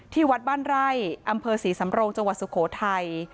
วัดบ้านไร่อำเภอศรีสำโรงจังหวัดสุโขทัย